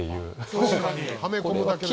確かに。